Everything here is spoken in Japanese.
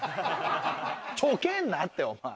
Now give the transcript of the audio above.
ちょけんなってお前。